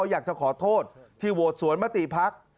อยากจะขอโทษที่โหวตสวนมติภักดิ์